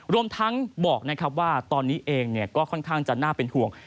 รวมทั้งบอกนะครับว่าตอนนี้เองก็ค่อนข้างจะน่าเป็นห่วง